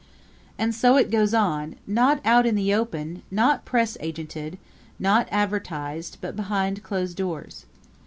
And so it goes on not out in the open; not press agented; not advertised; but behind closed doors.